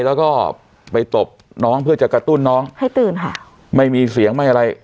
แล้วก็ไปตบน้องเพื่อจะกระตุ้นน้องให้ตื่นค่ะไม่มีเสียงไม่อะไร